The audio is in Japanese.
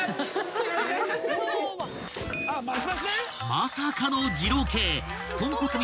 ［まさかの二郎系］